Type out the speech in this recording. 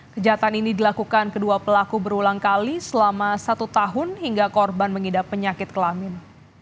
kejahatan ini dilakukan kedua pelaku berulang kali selama satu tahun hingga korban mengidap penyakit kelamin